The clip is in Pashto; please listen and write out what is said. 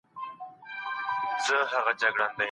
د لوی جرګې امنیت څوک ساتي؟